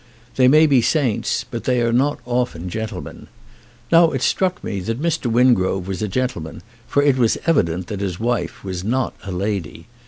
They may be saints but they are not often gen tlemen. Now it struck me that Mr. Wingrove was a gentleman, for it was evident that his wife was not a lady.